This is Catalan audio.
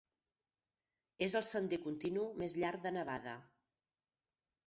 És el sender continu més llarg de Nevada.